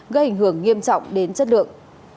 gây ảnh hưởng nghiêm trọng đến chất lượng